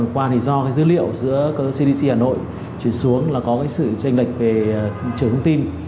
qua thì do cái dữ liệu giữa cdc hà nội chuyển xuống là có cái sự tranh lệch về trường thông tin